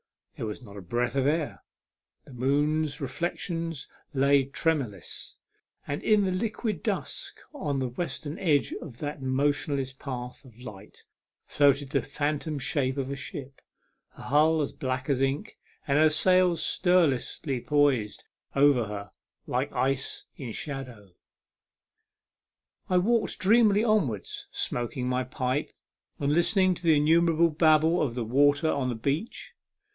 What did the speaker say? There was not a breath of air ; the moon's reflections lay tremorless; and in the liquid dusk on the western edge of that motionless path of light floated the phantom shape of a ship, her hull as black as ink, and her sails stirlessly poised over her, like ice in shadow. I walked dreamily onwards, smoking my pipe, and listening to the innumerable babble of the waters upon the beach.